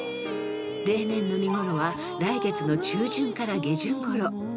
［例年の見ごろは来月の中旬から下旬ごろ］